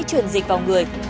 truyền dịch vào người